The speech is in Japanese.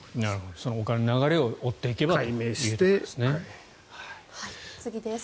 そのお金の流れを追っていけばということですね。